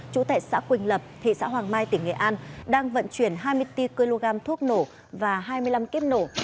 trú tại xã quỳnh lập thị xã hoàng mai tỉnh nghệ an đang vận chuyển hai mươi bốn kg thuốc nổ và hai mươi năm kiếp nổ